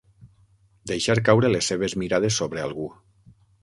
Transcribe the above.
Deixar caure les seves mirades sobre algú.